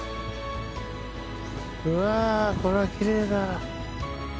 うわぁこれはきれいだ。